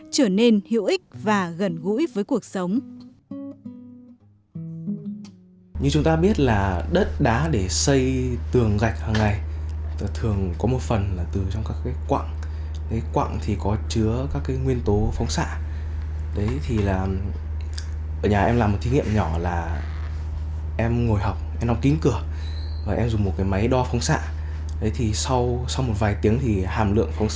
trở nên hiệu ích và gần gũi với cuộc sống